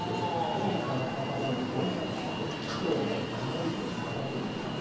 小さな酒場に女が１人今日も止まり木にたたずんでいた。